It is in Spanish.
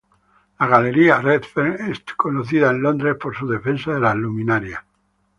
La Galería Redfern es conocida en Londres por su defensa de las luminarias.